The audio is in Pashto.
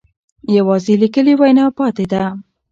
یوازې لیکلې وینا پاتې ده.